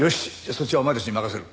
そっちはお前たちに任せる。